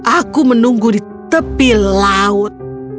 aku menunggu di tepi laut